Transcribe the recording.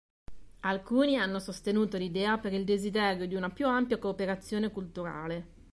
Alcuni hanno sostenuto l'idea per il desiderio di una più ampia cooperazione culturale.